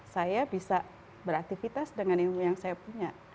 saya bisa beraktivitas dengan ilmu yang saya punya